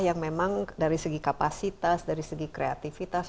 yang memang dari segi kapasitas dari segi kreativitas